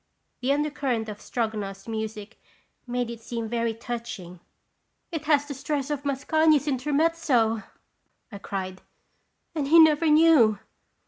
The undercurrent of Stroganoff's music made it seem very touching. " It has the stress of Mascagni's Intermez zo!" I cried. "And he never knew!"